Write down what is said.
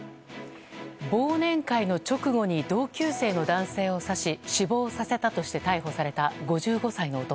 忘年会の直後に同級生の男性を刺し死亡させたとして逮捕された５５歳の男。